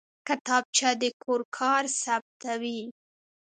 کتابچه د کور کار ثبتوي